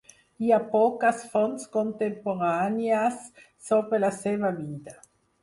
Hi ha poques fonts contemporànies sobre la seva vida.